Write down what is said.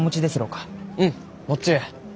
うん持っちゅう。